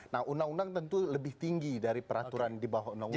nah undang undang tentu lebih tinggi dari peraturan di bawah undang undang